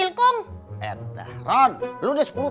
eh tak korma gua diambil